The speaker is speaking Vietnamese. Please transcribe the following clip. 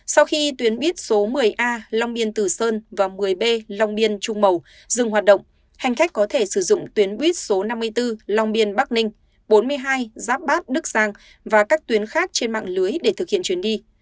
sau khi tuyến buýt số một mươi a long biên tử sơn và một mươi b long biên trung mầu dừng hoạt động hành khách có thể sử dụng tuyến buýt số năm mươi bốn long biên bắc ninh bốn mươi hai giáp bát đức sang và các tuyến khác trên mạng lưới để thực hiện chuyến đi